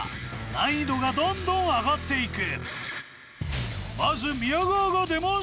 難易度がどんどん上がっていく。